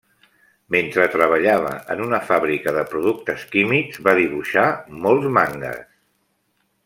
Mentre treballava en una fàbrica de productes químics, va dibuixar molts mangues.